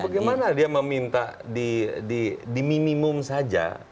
bagaimana dia meminta di minimum saja